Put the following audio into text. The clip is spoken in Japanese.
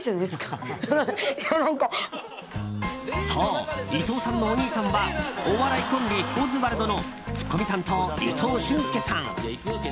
そう、伊藤さんのお兄さんはお笑いコンビ・オズワルドのツッコミ担当、伊藤俊介さん。